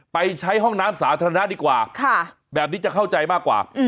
ไปใช้ห้องน้ำสาธารณะดีกว่าแบบนี้จะเข้าใจมากกว่า